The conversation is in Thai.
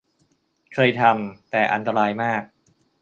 เคยทำ แต่อันตรายมาก